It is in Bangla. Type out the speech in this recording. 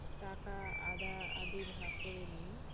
টাকা আধাআধি ভাগ করে নিই?